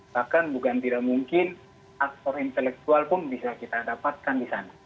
bahkan bukan tidak mungkin aktor intelektual pun bisa kita dapatkan di sana